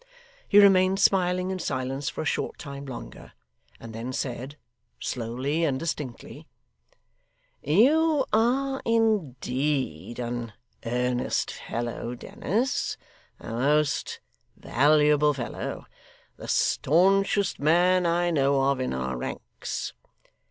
He remained smiling in silence for a short time longer, and then said, slowly and distinctly: 'You are indeed an earnest fellow, Dennis a most valuable fellow the staunchest man I know of in our ranks.